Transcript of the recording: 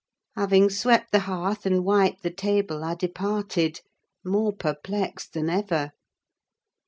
Having swept the hearth and wiped the table, I departed; more perplexed than ever.